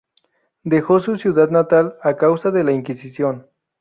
Dejó su ciudad natal a causa de la Inquisición.